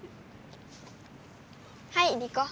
はいリコ。